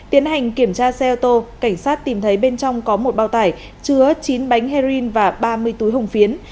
tiến hành kiểm tra xe ô tô cảnh sát tìm thấy bên trong có một bao tải chứa chín bánh heroin và ba mươi túi hồng phiến